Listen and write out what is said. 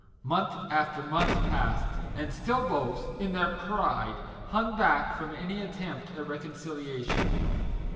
Month after month passed, and still both, in their pride, hung back from any attempt at a reconciliation.